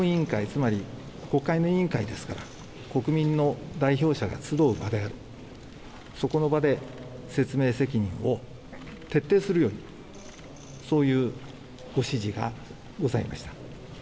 つまり、国会の委員会ですから国民の代表者が集うそこの場で説明責任を徹底するようにそういうご指示がございました。